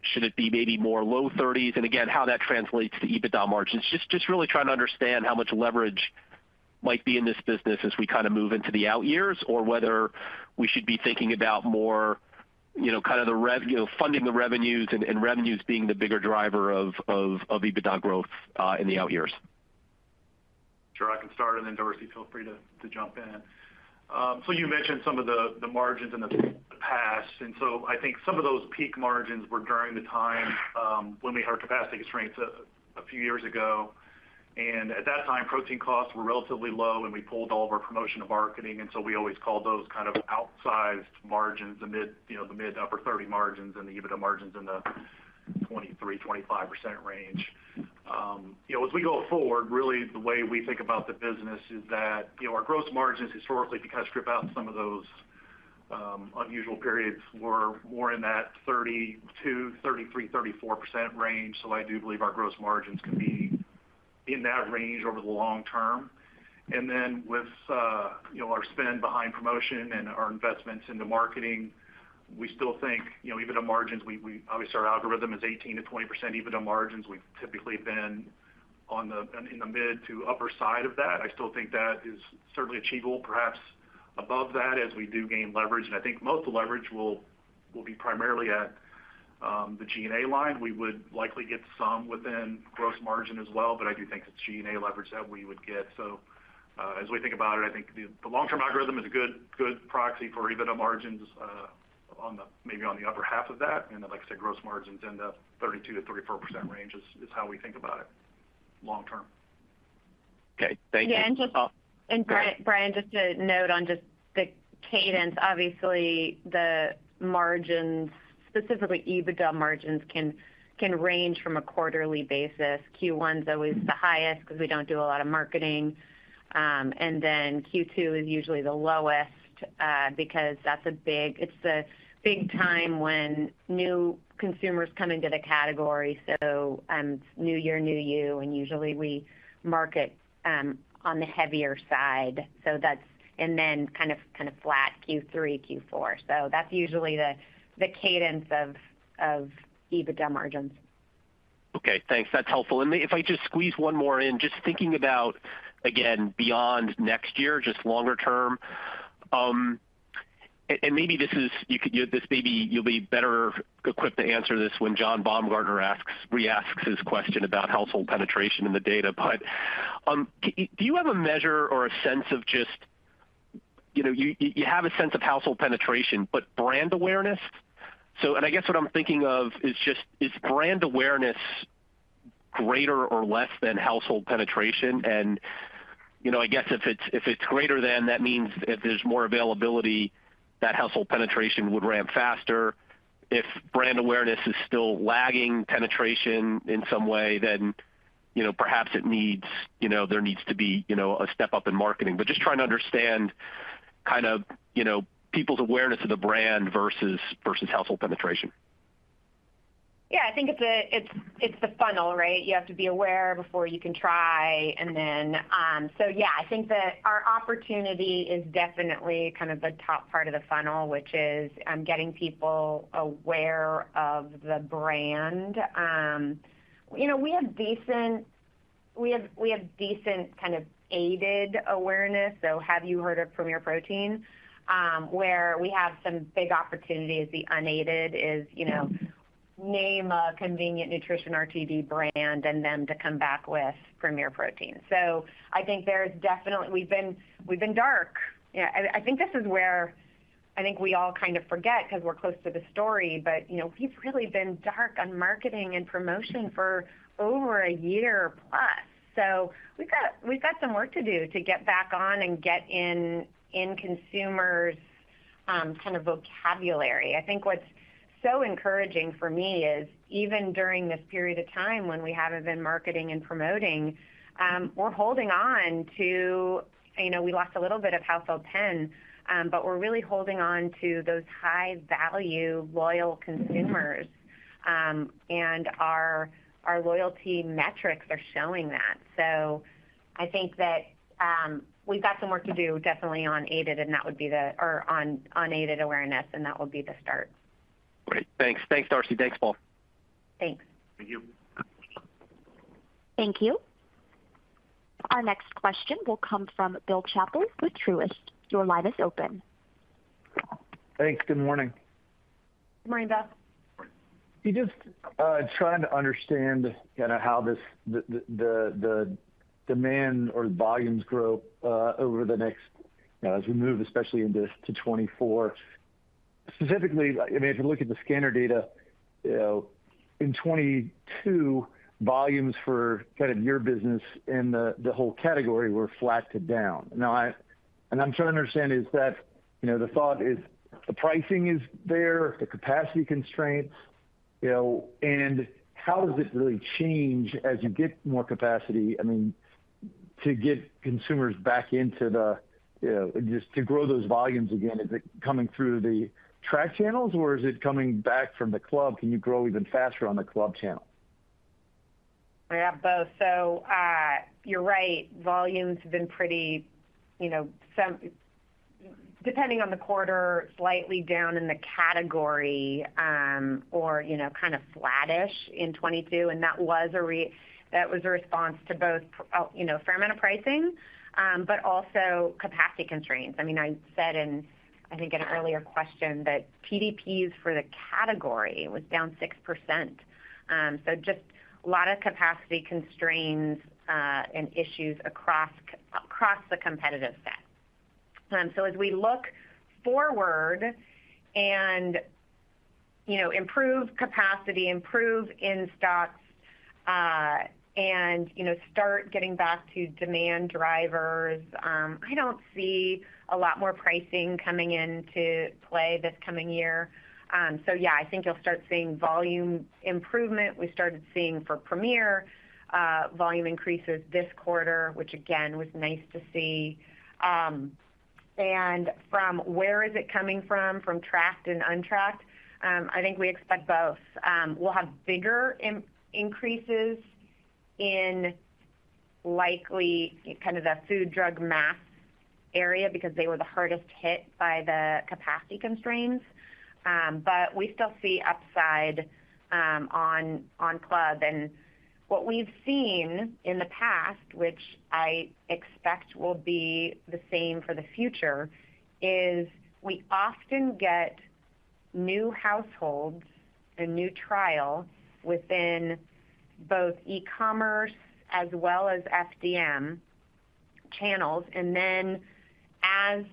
Should it be maybe more low 30s? How that translates to EBITDA margins. Just really trying to understand how much leverage might be in this business as we kinda move into the out years, or whether we should be thinking about more, you know, kind of the you know, funding the revenues and revenues being the bigger driver of EBITDA growth in the out years. Sure. I can start, and then Darcy, feel free to jump in. You mentioned some of the margins in the past. I think some of those peak margins were during the time, when we had capacity constraints a few years ago. At that time, protein costs were relatively low and we pulled all of our promotion to marketing, we always called those kind of outsized margins, the mid, you know, the mid to upper 30 margins and the EBITDA margins in the 23%-25% range. You know, as we go forward, really the way we think about the business is that, you know, our gross margins historically, if you kind of strip out some of those, unusual periods, were more in that 32%-34% range. I do believe our gross margins can be in that range over the long term. With, you know, our spend behind promotion and our investments into marketing, we still think, you know, EBITDA margins, we obviously our algorithm is 18%-20% EBITDA margins. We've typically been on the mid to upper side of that. I still think that is certainly achievable, perhaps above that as we do gain leverage. I think most of the leverage will be primarily at the G&A line. We would likely get some within gross margin as well, but I do think it's G&A leverage that we would get. As we think about it, I think the long-term algorithm is a good proxy for EBITDA margins on the upper half of that. Like I said, gross margins in the 32%-34% range is how we think about it long term. Okay. Thank you. Yeah. Yeah. Bryan, just a note on just the cadence. Obviously, the margins, specifically EBITDA margins can range from a quarterly basis. Q1's always the highest 'cause we don't do a lot of marketing. Then Q2 is usually the lowest because it's the big time when new consumers come into the category. New year, new you, and usually we market on the heavier side. Then kind of flat Q3, Q4. That's usually the cadence of EBITDA margins. Okay. Thanks. That's helpful. If I just squeeze one more in, just thinking about, again, beyond next year, just longer term. Maybe this you'll be better equipped to answer this when John Baumgartner re-asks his question about household penetration in the data. Do you have a measure or a sense of just, you know, you have a sense of household penetration, but brand awareness? I guess what I'm thinking of is just is brand awareness greater or less than household penetration? You know, I guess if it's greater than, that means if there's more availability, that household penetration would ramp faster. If brand awareness is still lagging penetration in some way, then, you know, perhaps it needs, you know, there needs to be, you know, a step up in marketing. Just trying to understand kind of, you know, people's awareness of the brand versus household penetration. I think it's the funnel, right? You have to be aware before you can try and then. Yeah, I think that our opportunity is definitely kind of the top part of the funnel, which is getting people aware of the brand. You know, we have decent kind of aided awareness. Have you heard of Premier Protein? Where we have some big opportunity is the unaided is, you know, name a convenient nutrition RTD brand and them to come back with Premier Protein. I think there's definitely, we've been dark. I think this is where I think we all kind of forget 'cause we're close to the story. You know, we've really been dark on marketing and promotion for over a year plus. We've got some work to do to get back on and get in consumers' kind of vocabulary. I think what's so encouraging for me is even during this period of time when we haven't been marketing and promoting, we're holding on to, you know, we lost a little bit of household pen, but we're really holding on to those high value loyal consumers. And our loyalty metrics are showing that. I think that, we've got some work to do definitely on aided, and that would be or on unaided awareness, and that will be the start. Great. Thanks. Thanks, Darcy. Thanks, Paul. Thanks. Thank you. Thank you. Our next question will come from Bill Chappell with Truist. Your line is open. Thanks. Good morning. Good morning, Bill. Just trying to understand kinda how the demand or volumes grow over the next, as we move, especially into 2024. Specifically, I mean, if you look at the scanner data, you know, in 2022, volumes for kind of your business and the whole category were flat to down. I'm trying to understand is that, you know, the thought is the pricing is there, the capacity constraints, you know, and how does it really change as you get more capacity, I mean, to get consumers back into the, you know, just to grow those volumes again, is it coming through the track channels or is it coming back from the club? Can you grow even faster on the club channel? Yeah, both. You're right. Volumes have been pretty, you know, depending on the quarter, slightly down in the category, or, you know, kind of flattish in 2022. That was a response to both you know, a fair amount of pricing, but also capacity constraints. I mean, I said in, I think an earlier question that PDPs for the category was down 6%. Just a lot of capacity constraints and issues across the competitive set. As we look forward and, you know, improve capacity, improve in stocks, and, you know, start getting back to demand drivers, I don't see a lot more pricing coming into play this coming year. Yeah, I think you'll start seeing volume improvement. We started seeing for Premier, volume increases this quarter, which again, was nice to see. From where is it coming from tracked and untracked? I think we expect both. We'll have bigger increases in likely kind of the food drug mass area because they were the hardest hit by the capacity constraints. We still see upside, on club. What we've seen in the past, which I expect will be the same for the future, is we often get new households, a new trial within both e-commerce as well as FDM channels. As,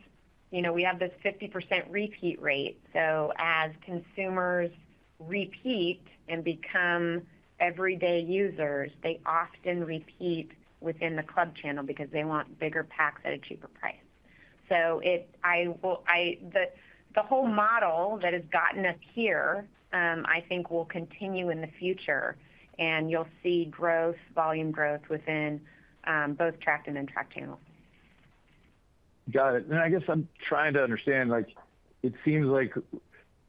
you know, we have this 50% repeat rate. As consumers repeat and become everyday users, they often repeat within the club channel because they want bigger packs at a cheaper price. The whole model that has gotten us here, I think will continue in the future. You'll see growth, volume growth within both tracked and untracked channels. I guess I'm trying to understand, like, it seems like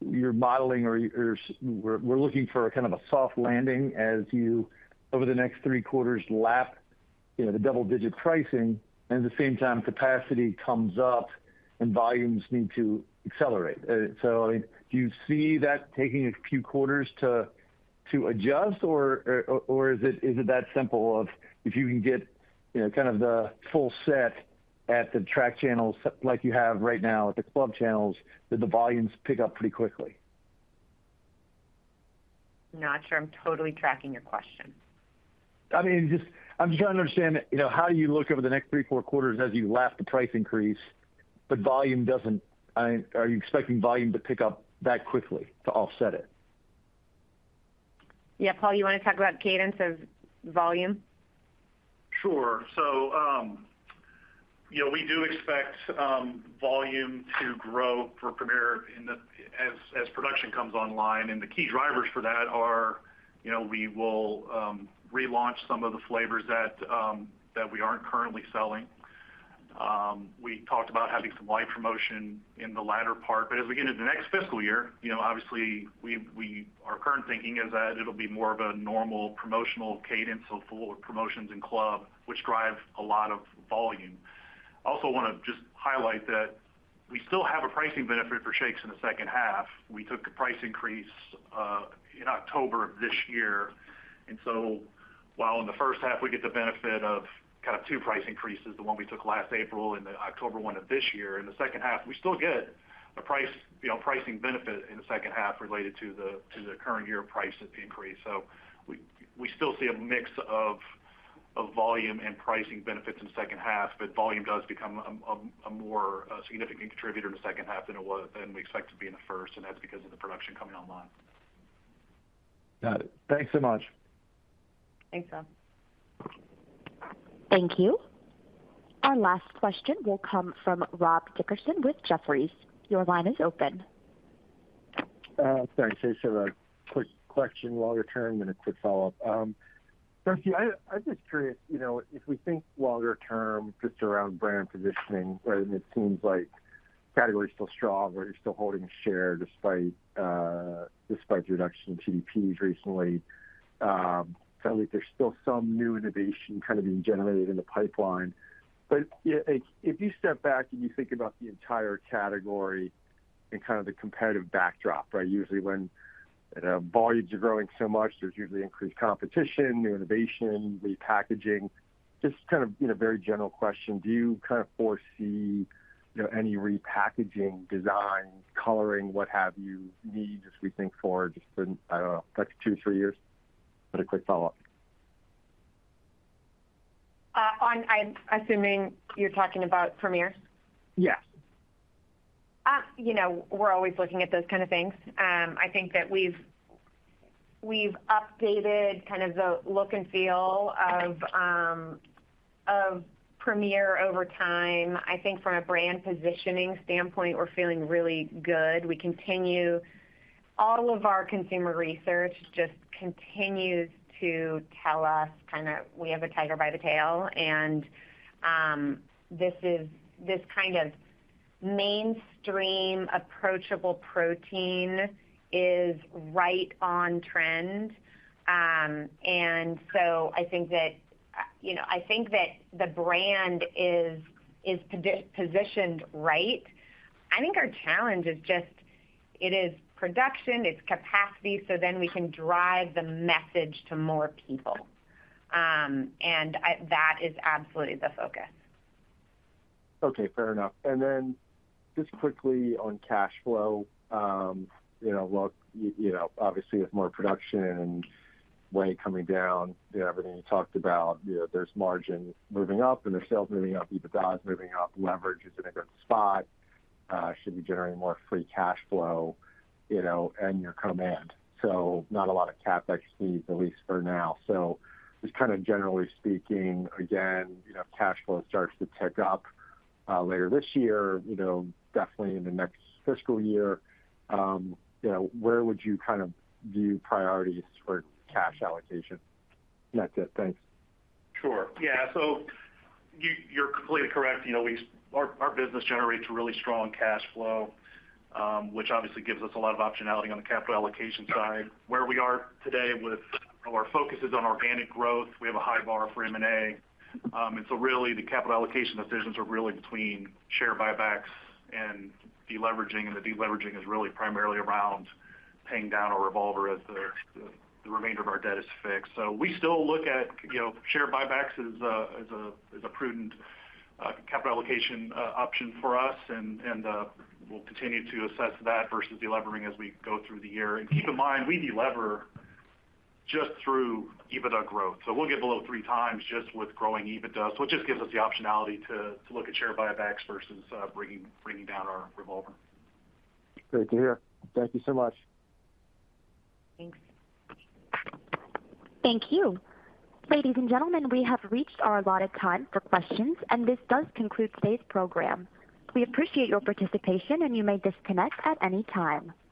you're modeling or you're, we're looking for kind of a soft landing as you over the next three quarters lap, you know, the double-digit pricing, and at the same time capacity comes up and volumes need to accelerate. Do you see that taking a few quarters to adjust, or is it that simple of if you can get, you know, kind of the full set at the track channels like you have right now with the club channels, that the volumes pick up pretty quickly? Not sure I'm totally tracking your question. I mean, I'm just trying to understand, you know, how you look over the next three, four quarters as you lap the price increase, but volume doesn't. Are you expecting volume to pick up that quickly to offset it? Yeah. Paul, you wanna talk about cadence of volume? Sure. You know, we do expect volume to grow for Premier as production comes online. The key drivers for that are, you know, we will relaunch some of the flavors that we aren't currently selling. We talked about having some light promotion in the latter part, as we get into the next fiscal year, you know, obviously our current thinking is that it'll be more of a normal promotional cadence of promotions in club, which drive a lot of volume. I also wanna just highlight that we still have a pricing benefit for shakes in the second half. We took a price increase in October of this year. While in the first half we get the benefit of kind of two price increases, the one we took last April and the October one of this year, in the second half, we still get a price, you know, pricing benefit in the second half related to the, to the current year price increase. We still see a mix of volume and pricing benefits in the second half, but volume does become a more significant contributor in the second half than it was than we expect to be in the first, and that's because of the production coming online. Got it. Thanks so much. Thanks, Bill. Thank you. Our last question will come from Rob Dickerson with Jefferies. Your line is open. Thanks. I just have a quick question longer term, then a quick follow-up. Darcy, I was just curious, you know, if we think longer term just around brand positioning, right? It seems like category's still strong or you're still holding share despite the reduction in TDPs recently. It sounds like there's still some new innovation kind of being generated in the pipeline. Yeah, if you step back and you think about the entire category and kind of the competitive backdrop, right? Usually when volumes are growing so much, there's usually increased competition, new innovation, repackaging. Just kind of, you know, very general question, do you kind of foresee, you know, any repackaging, design, coloring, what have you, needs as we think forward just in, I don't know, next two, three years? Got a quick follow-up. I'm assuming you're talking about Premier? Yes. You know, we're always looking at those kind of things. I think that we've updated kind of the look and feel of Premier over time. I think from a brand positioning standpoint, we're feeling really good. All of our consumer research just continues to tell us kinda we have a tiger by the tail and this is, this kind of mainstream approachable protein is right on trend. I think that, you know, I think that the brand is positioned right. I think our challenge is just it is production, it's capacity, so then we can drive the message to more people. That is absolutely the focus. Okay. Fair enough. Just quickly on cash flow, you know, look, you know, obviously with more production and weight coming down, you know, everything you talked about, you know, there's margin moving up and there's sales moving up, EBITDA's moving up, leverage is in a good spot, should be generating more free cash flow, you know, in your command. Not a lot of CapEx needs, at least for now. Just kind of generally speaking, again, you know, if cash flow starts to tick up, later this year, you know, definitely in the next fiscal year, you know, where would you kind of view priorities for cash allocation? That's it. Thanks. Sure. Yeah. You, you're completely correct. You know, our business generates really strong cash flow, which obviously gives us a lot of optionality on the capital allocation side. Where we are today with our focus is on organic growth. We have a high bar for M&A. Really the capital allocation decisions are really between share buybacks and deleveraging, and the deleveraging is really primarily around paying down our revolver as the remainder of our debt is fixed. We still look at, you know, share buybacks as a prudent capital allocation option for us. We'll continue to assess that versus delevering as we go through the year. Keep in mind, we delever just through EBITDA growth. We'll get below 3x just with growing EBITDA. It just gives us the optionality to look at share buybacks versus bringing down our revolver. Great to hear. Thank you so much. Thanks. Thank you. Ladies and gentlemen, we have reached our allotted time for questions, and this does conclude today's program. We appreciate your participation, and you may disconnect at any time.